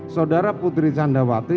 saudara putri chandrawati